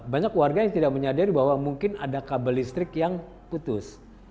banyak warga yang tidak menyadari bahwa mungkin ada kabel listrik yang putus